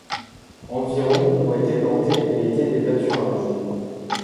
Environ ont été plantés et étaient des pâturages.